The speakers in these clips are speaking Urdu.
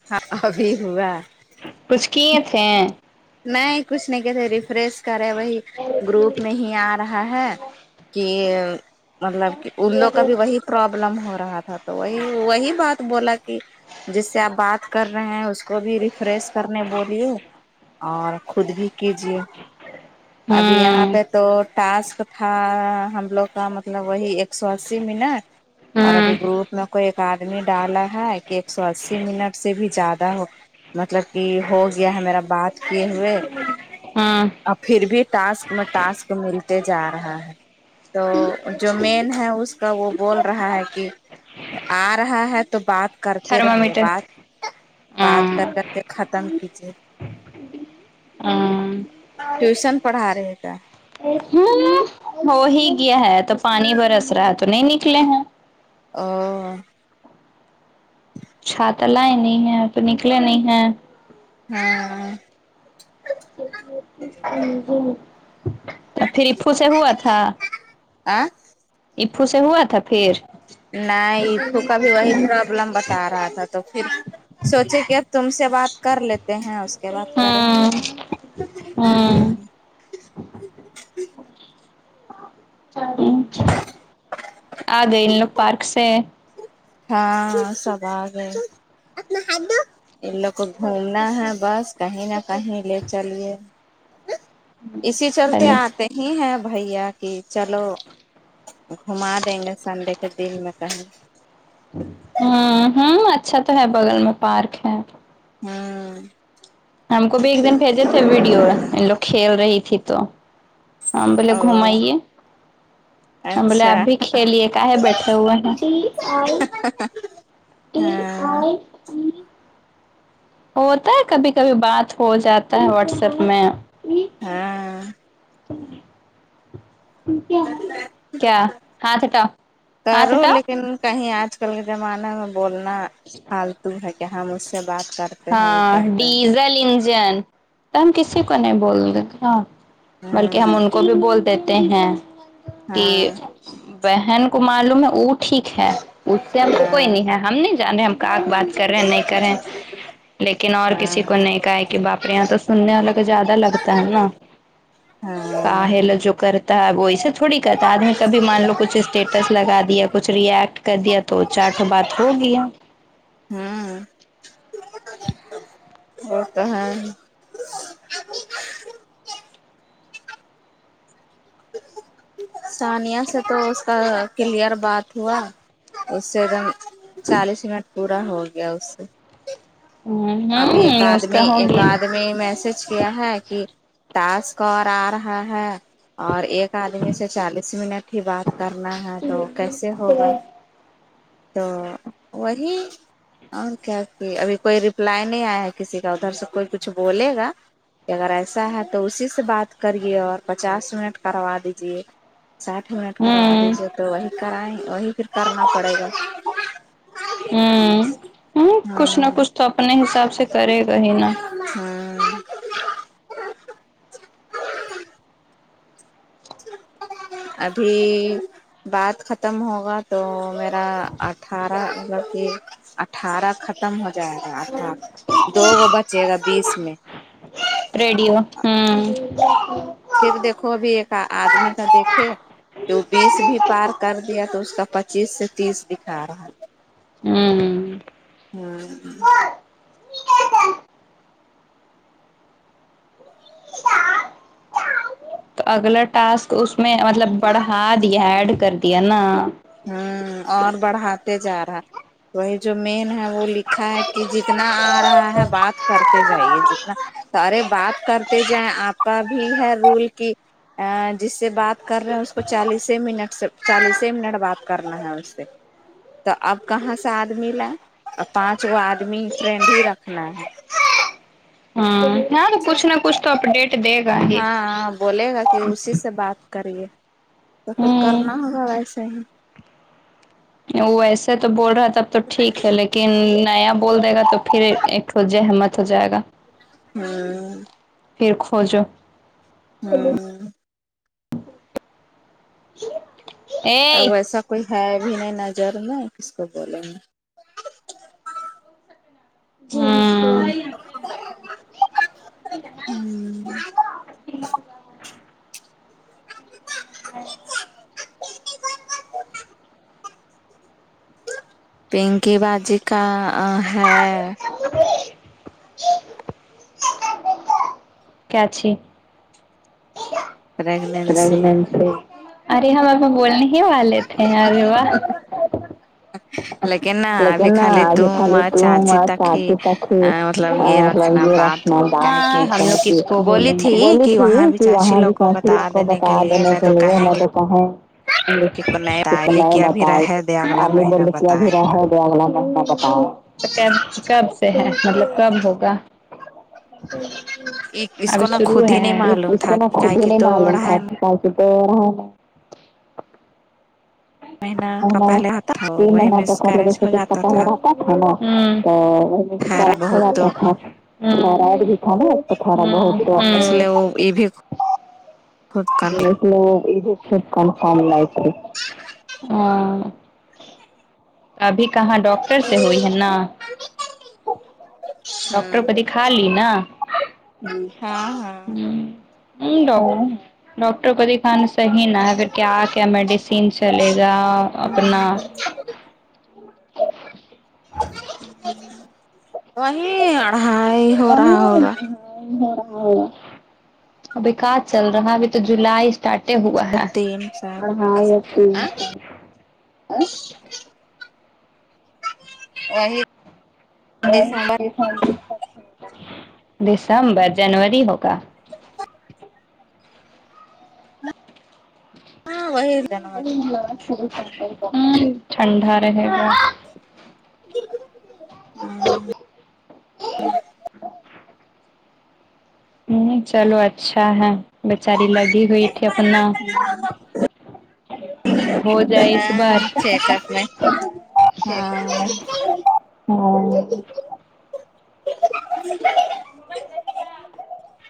[unintelligible] کچھ کیے تھے نہیں کچھ نہیں کہتے ریفریش کرے وہی گروپ میں ہی آپ رہا ہے کہ مطلب کہ ان لوگ کا بھی وہی پروابلم ہو رہا تھا تو وہی وہی بات بولا کہ جس سے آپ بات کر رہے ہیں اس کو بھی ریفریش کرنے بولیے اور خود بھی کیجیے ابھی یہاں ہوں پہ تو ٹاسک تھا ہم لوگ کا مطلب وہی ایک سو اسی منہ اور ابھی ہوں گروپ میں کوئی ایک آدمی ڈالا ہے کہ ایک سو اسی منٹ سے بھی زیادہ ہو مطلب کہ ہو گیا ہے میرا بات کیے ہوئے ہوں اور پھر بھی ٹاسک میں ٹاسک ملتے جا رہا ہے تو جو مین ہے اس کا وہ بول رہا ہے کہ آ رہا ہے تو بات کرتے رہیے تھرمامیٹر بات بات کر ہاں کر کے ختم کیجیے ہاں ٹیوشن پڑھا رہے کیا [unintelligible] ہو ہی گیا ہے تو پانی برس رہا ہے تو نہیں نکلے ہیں [unintelligible] تا لائے نہیں ہے تو نکلے نہیں ہے ہاں ج [unintelligible] جٹ [unintelligible] پھر اپو سے ہوا تھا [unintelligible] اپو سے ہوا تھا پھر نہیں ایپھو کا بھی وہ لم بتا رہا تھا تو پھر سوچے کہ اب تم سے بات کر لیتے ہیں کے بات کریں گے ہوں ہوں ہمم [unintelligible] [unintelligible] سے ہاں سب آگئے ان لوگ کو گھومنا ہے بس کہیں نہ کہیں لے چلیے اسی چلتے خالی آتے ہی ہیں بھیا کہ چلو گھوما دیں گے سنڈے کے دن میں کہیں ہاں ہوں ہمم اچھا تو ہے بغل میں پارک ہے ہوں ہم کو بھی ایک دن بھیجے تھے ویڈیو ان لوگ کھیل رہی تھی تو ہم بولے او گھمائیے ہم بولے آپ اچھا بھی کھیلیے کا ہہ بیٹھے ہوئے ہیں ہاں [unintelligible] ہوتا ہے کبھی کبھی بات ہو جاتا ہے واٹسپ میں ہاں تو کیا ہاتھ ہٹاؤ ہاتھ کرو ہٹاؤ لیکن کہیں آج کل کے زمانے میں بولنا فالتو ہے کیا ہم اس سے بات کرتے ہیں یہ کرتے ہیں زلین جین تو ہم کسی کو نہیں بول نے کا بلکہ ہم ہوں ان کو بھی بول دیتے ہیں کہ ہاں بہن کو معلوم ہے وہ ٹھیک ہے اس سے ہم کو کوئی ہاں نہیں ہے ہم نہیں ہم کہ کے بات کر رہے نہیں کر رہے لیکن اور ہاں کسی کو نہیں کہا کہ باپرے یہاں تو سمجھانے کو زیادہ لگتا ہے نا ہاں کاہل جو کرتا ہے وہ ایسے تھوڑی کرتا ہے آدمی کبھی مان لو کچھ اسٹیٹس لگا دیا کچھ ری ایکٹ کر دیا تو چیٹ مے بات ہو گیا ہممم وہ تو ہے تانیہ سے تو اس کا کلیئر بات ہوا اس سے ایک دم چالیس منٹ پورا ہو گیا اس سے ابھی ایک ہ اس آدمی کا ہو ایک گیا آدمی میسج کیا ہے کہ تاسک اور آ رہا ہے اور ایک آدمی سے چالیس منٹ ہی بات کرنا ہے تو کیسے ہوگا تو وہی اور کیا کہ ابھی کوئی رپلائی نہیں آیا کسی کا ادھر سے کوئی کچھ بولے گا کہ اگر ایسا ہے تو اسی سے بات کریے اور پچاس منٹ کروا دیجیے ساٹھ منٹ کروا ہوں دیجیے تو وہی کرائیں وہی پھر کرنا پڑے گا ہممم ہممم کچھ ہاں نہ کچھ تو اپنے حساب سے کرے گا ہی نا ہممم ابھی بات ختم ہوگا تو ا اٹھارہ جو کی اٹھارہ خت ختم ہو جائے گا اٹھا دو وہ بچے گا بیس میں ریڈیو ہممم پھر دیکھو ابھی ایک آدمی کا دیکھے جو بیس بھی پار کر دیا تو اس کا پچیس سے تیس بھی پار ہممم ہممم تو اگلا ٹاسک اس میں مطلب بڑھا یہ ایڈ کر دیا نا ہممم اور بڑھاتے جا رہا وہی جو مین ہے وہ لکھا ہے کہ جتنا آ رہا ہے بات کرتے جائیے جتنا ارے بات کرتے جائیں آپ کا بھی ہے رول کی جس سے بات کر رہے ہیں اس کو چالیس منٹ سے چالیس منٹ بات کرنا ہے اس سے تو اب کہاں سے آدمی لائ اور پانچ گو آدمی فرینڈ ہی رکھنا ہے ہممم ہاں وہ کچھ نہ کچھ تو اپڈیٹ دے گا ہی ہاں بولے گا کہ اسی سے بات کریے تو پھر ہوں کرنا ہوگا ویسے ہی ویسے تو بول رہا تھا اب تو ٹھیک ہے لیکن نیا بول دے گا تو پھر ایک جحمت ہو جائے گا ہوں پھر کھوجو ہوں ا ای ویسا کوئی ہے بھی نہیں نظر میں کس کو بولیں گے ہاں ہوں اندتا ابھی اچھا پنکی باجی کا ہے کیاچھی پریگنینسی پریگننسی ارے ہم اپکو بولنے ہی والے تھے ارے وہ لیکن نا ابھی خالی تم اور چاچی تک ہی مطلب یہ رکھنا بات ہوتا ہے ہاں کہ ہم لوگ کس کو بولی بولیں تھی گے کہ وہاں بھی چاچی لوگ کو بتا دینے کے لیے میں تو کہیں گی [unintelligible] کا ہوگیا اگلا بت بتاؤ کب سے ہے مطلب کب ہوگا اس اب کو نا شروع خود ہی نہیں ہے معلوم اس تھا کو میں کہ خود ہی کہ نہیں دو معلوم تھا ڈھائی تو تو ہمیں مہینہ کا ہمیں پہلے آتا تھا تین وہی مہینا تو مس ک کیرج ہو جیسے پا جاتا پہل تھا رہتا ہوں نا تو کھارا بہت تو تھوڑا تھا رائڈ بھی تھا نا اس کو تھوڑا اس لیے وہ بہت یہ بھی خو خود کان ہے لوگ خب کم کام لائے تھے ہاں ابھی کہاں ڈاکٹر سے ہوئی ہے نا ڈاکٹر کو دکھالی نا ہ ہاں ہاں ل ڈاکٹر کو کان صحیح نہ پھر کیا کیا میڈیسین چلے گا اپنا وہی اڑھائی ہو رہا ہوگا رہا ہوگا ابھی کا چل رہا ابھی تو جولائی اسارٹ ہی ہوا ہے تین سال ہاں یہ ا ہی دسمبر جنوری ہوگا ہاں وہی جنوری [unintelligible] ٹھنڈا رہے گا ہ ہ چلو اچھا ہے بیچاری لگی ہوئی تھی اپنا ہو جائے اس بار ہاں چھ سات میں ہاں ہاں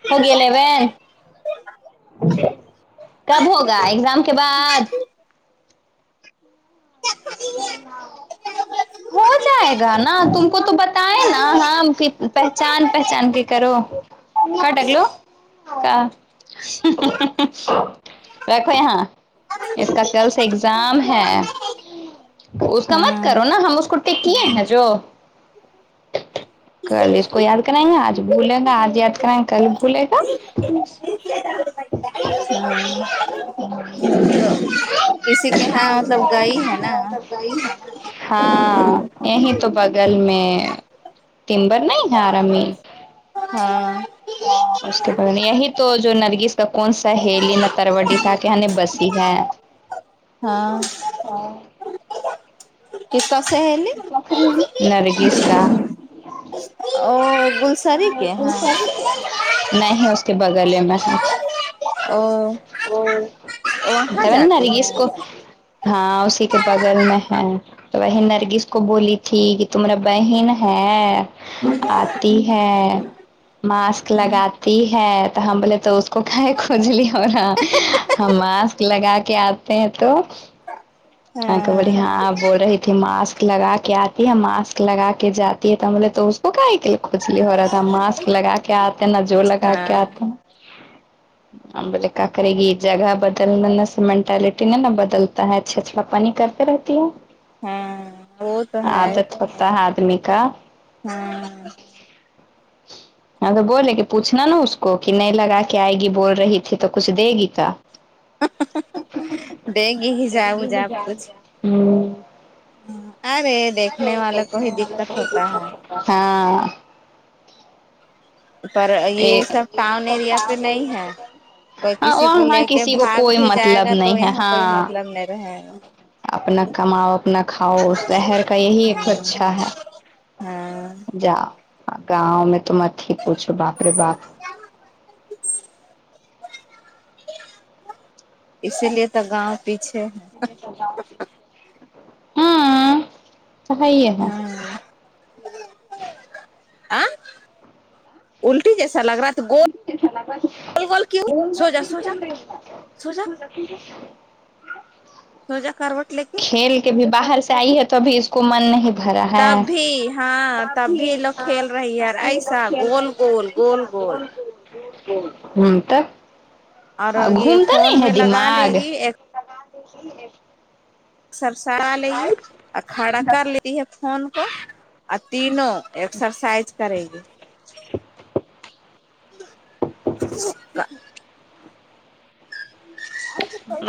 ہوگی الیون کب ہوگا ایگزام کے بعد ائے گا نا تم کو تو بتائے نا ہام کہ پہچان پہچان کے کرو کٹگلو [unintelligible] ہوں ہوں رکھو یہاں اس کا کل سے ایگزام ہے اس کا مت کرو کٹے کیے ہیں جو کرل اس کو یاد کرائیں گے آج بھی بھولے گا آج یاد کرائیں کل بھولے گا [unintelligible] [unintelligible] کسی کے ہاں مطلب گائی ہے نا ہاں یہی تو بگل میں تمبر نہیں ہےرمی جی اس کے ب یہی تو جو نرگس کا کون سا ہیلی نہ تروی س کےنی بسی ہے ہاں ہاں کس کا سہیلی نرگس کا اور گل نہیں اس کے بغلے میں او وہاں تارن جاتی ہے نرگس کو ہاں اسی کے بغل میں ہے تو وہی نرگس کو بولی تھی کہ تمارا بہن ہے آتی ہے ماسک لگاتی ہے تو ہم بولے تو اس کو کھائے کھجلی اور ہاں ہم ماسک لگا کے آتے ہیں تو ہاں ہاں تو بڑھیا آپ بول رہی تھی ماسک لگا کے آتی ہے ماسک لگا کے جاتی ہے تو ہم بولے تو وہ کائے کے لیے کچھلی ہو رہا تھا ماسک لگا کے آتے نہ جور لگا کے ہاں آتے ہیں ہم بولے کا آ کرے گی یے جگہ بدلنی اس مینٹالٹی نے نا بدلتا ہے اچھے اچھے اپنا پانی کرتے رہتی ہوں ہاں وہ تو ہے اعادت ہوتا ہے آدمی کا ہاں ہاں تو بولے کی پوچھنا نا اس کو کی نہیں لگا کے آئے گی بول رہی تھی تو کچھ دے گی کا دیگی ہی جاؤ جاؤ ہمم ارے دیکھنے والا کو ہی دقت ہوتا ہے ہاں پر اے یہ سب ٹاؤن ایریا پہ نہیں ہے کوئی ہاں کسی وہ کو ہاں لے کے کسی کو بھاگ کوئی بھی جائے مطلب گا تو نہیں ہے یہاں ہاں کوئی مطلب [unintelligible] اپنا کماؤ اپنا کھاؤ شہر کا یہی ایک اچھا ہے ہاں جاؤ گاؤں میں تو مٹی کچھ باپ رے باپ [inaudible] اسی لیے تو گاؤں پیچھے ہے ہاں تو سہی ہے پھر آ الٹی جیسا لگ رہا تو گول گول گول کیوں سوجا سوجا سوجا سوجا کرروٹ لے کھیل کے بھی باہر سے آئی ہے تو ابھی اس کو من نہیں بھرا ہے تب بھی ہاں تب بھی کافی لوگ ہاں کھیل رہی ہے کافی ایسا وقت کھیل گول کھیل گول کے گول اتے گول نہ [unintelligible] ہمم تو اور یہ گھوم تا فون نہیں ہے میں لگا لے دماغ گی صحیح ہے سرسڑا لئی آ کھڑا کر لیتی ہے فون کو اور تینوں ایکسرسائز کرے گی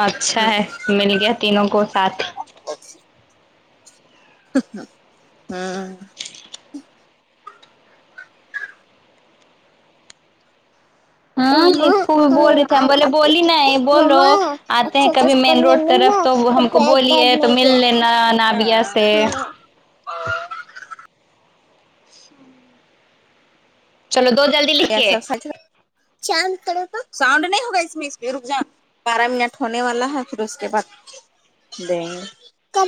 اچھا ہے مل گیا تینوں کو ساتھہی ہمم ہاں ایک تھو بھی بول رہے تھے ہم بولے بولی نہیں بولو آتے ہیں کبھی مین روڈ طرف تو ہم کو بولیے تو مل لینا نابیہ ہاں سے چلو دو جلدی لکھ کے ساؤنڈ نہیں ہوگا اس میں اس میں رک جا [unintelligible] بارہ منٹ ہونے والا ہے پھر اس کے بعد دیں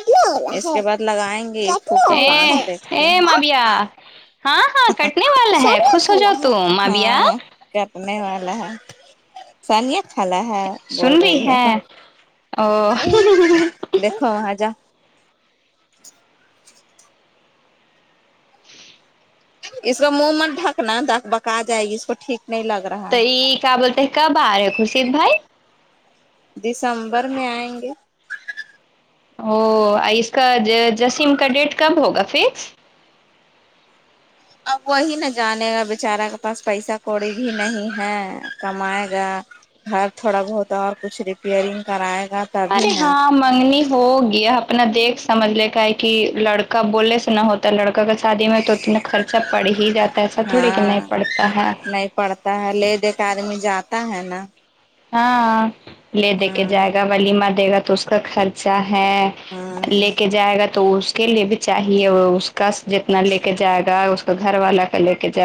گے اس کے بعد لگائیں گے ایک پانچ دیکھتے ہے پیا چاٹ ہو جاؤ مصالہ ہے تم مابیا ہاں کرنے والا ہے ثانیہ خھالا ہے بول رہی ہے او دیکھو وہاں جا اس کا منہ مت ڈھکنا ڈھک بکا جائے گی اس کو ٹھیک نہیں لگ رہا تو یہ کیا بولتے ہیں کب آ رہے خوشید بھائی دسمبر میں آئیں گے او اس کا جسیم کا ڈیٹ کب ہوگا فکس اب وہی نہ جانے گا بیچارا کے پاس پیسہ کوڑی بھی نہیں ہے کمائے گا گھر تھوڑا بہت ہے اور کچھ ریپیئرنگ کرائے گا تبھی ارے نا ہاں منگنی ہو گیا اپنا دیکھ سمجھ لے کا ہے کی لڑکا بولے سے نہ ہوتا تو لڑکا کا شادی میں تو اتنا خرچہ پڑ ہی جاتا ہے ایسا تھوڑے کی نہیں ہاں پڑتا ہے نہیں پڑتا ہے لے دے کے آدمی جاتا ہے نا ہاں لے دے کے ہاں جائے گا ولیمہ دے گا تو اس کا خرچہ ہے ہاں لے کے جائے گا تو اس کے لیے بھی چاہیے وہ اس کا جتنا لے کے جائے گا اس کا گھر والا کا لے کے جائے گا